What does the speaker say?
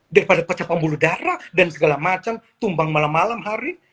daripada pecah pembuluh darah dan segala macam tumbang malam malam hari